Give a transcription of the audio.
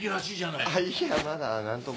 いやまだ何とも。